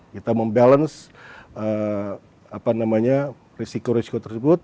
kita membalance risiko risiko tersebut